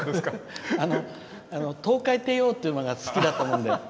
トウカイテイオーって馬が好きだったもんで。